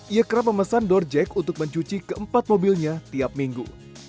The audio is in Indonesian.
ia kerap memesan door jack untuk mencuci keempat mobilnya tiap minggu